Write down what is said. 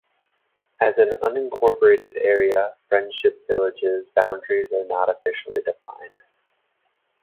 As an unincorporated area, Friendship Village's boundaries are not officially defined.